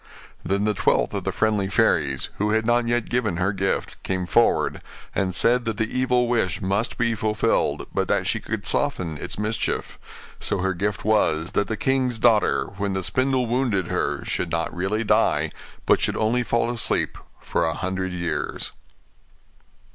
Then the twelfth of the friendly fairies, who had not yet given her gift, came forward, and said that the evil wish must be fulfilled, but that she could soften its mischief; so her gift was, that the king's daughter, when the spindle wounded her, should not really die, but should only fall asleep for a hundred years.